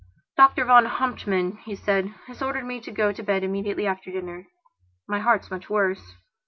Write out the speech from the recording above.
"Doctor von Hauptmann," he said, "has ordered me to go to bed immediately after dinner. My heart's much worse."